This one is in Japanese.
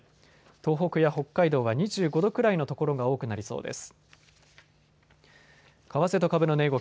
東北や北海道は２５度くらいの所が多くなりそうです。